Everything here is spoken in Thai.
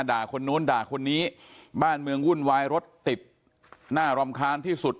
คนนู้นด่าคนนี้บ้านเมืองวุ่นวายรถติดน่ารำคาญที่สุด